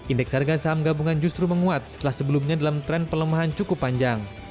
indeks harga saham gabungan justru menguat setelah sebelumnya dalam tren pelemahan cukup panjang